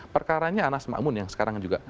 perkaranya anas makmun yang sekarang juga